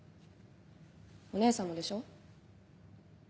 お姉さんもでしょ？